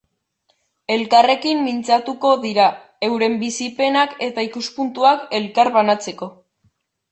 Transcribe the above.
Elkarrekin mintzatuko dira, euren bizipenak eta ikuspuntuak elkarbanatzeko.